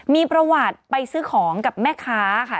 มีประวัติไปซื้อของกับแม่ค้าค่ะ